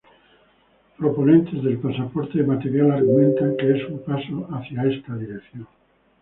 Proponentes del pasaporte de material argumentan que es un paso hacia esta dirección.